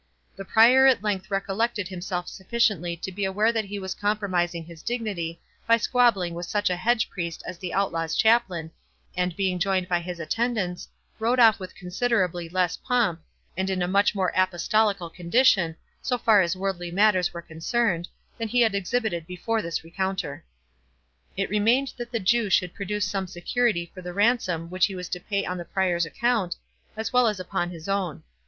The Prior at length recollected himself sufficiently to be aware that he was compromising his dignity, by squabbling with such a hedge priest as the Outlaw's chaplain, and being joined by his attendants, rode off with considerably less pomp, and in a much more apostolical condition, so far as worldly matters were concerned, than he had exhibited before this rencounter. It remained that the Jew should produce some security for the ransom which he was to pay on the Prior's account, as well as upon his own.